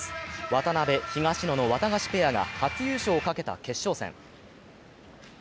渡辺・東野のワタガシペアが初優勝をかけた決勝戦。